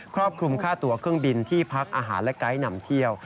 รอบคลุมค่าตัวเครื่องบินที่พักอาหารและไกด์นำเที่ยว